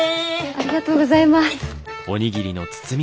ありがとうございます。